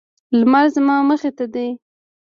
لمر زما مخې ته دی